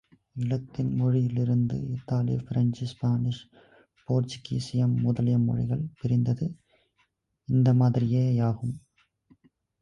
இலத்தின் மொழியிலிருந்து, இத்தாலி, French, Spanish, போர்ச்சுகீசியம் முதலிய மொழிகள் பிரிந்தது இந்த மாதிரியே யாகும்.